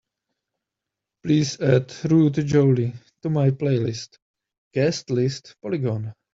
Please add Ruud Jolie to my playlist Guest List Polygon